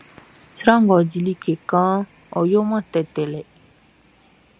Sran ngʼɔ di like kanʼn, ɔ yoman tɛtɛ le.